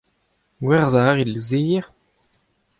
Gwerzhañ a rit louzeier ?